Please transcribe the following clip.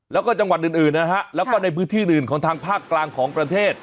แล้วก็จังหวัดอื่นนะฮะแล้วก็ในพื้นที่อื่นของทางภาคกลางของประเทศ